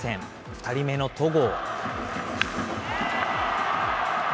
２人目の戸郷。